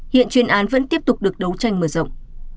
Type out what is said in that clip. hiện chuyên án vẫn tiếp tục được đấu tranh mở rộng